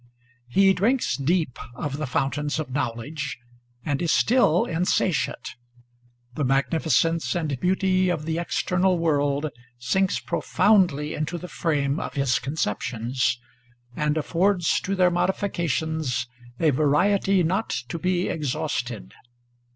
He drinks deep of the fountains of knowledge and is still in satiate. The magnificence and beauty of the external world sinks profoundly into the frame of his conceptions and affords to their modifi cations a variety not to be exhausted.